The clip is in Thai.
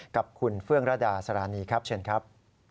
กับคุณเฟื่องระดาสารีครับเชิญครับ